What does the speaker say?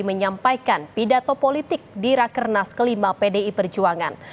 menyampaikan pidato politik di rakernas kelima pdi perjuangan